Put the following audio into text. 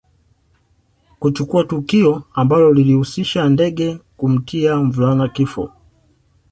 Kuchukua tukio ambalo lilihusisha ndege kumtia mvulana kifo